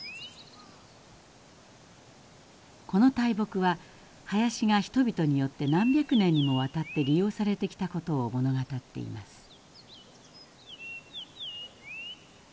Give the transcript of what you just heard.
この大木は林が人々によって何百年にもわたって利用されてきたことを物語っています。